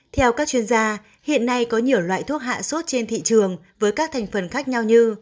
theo các chuyên gia hiện nay có nhiều loại thuốc hạ sốt trên thị trường với các thành phần khác nhau như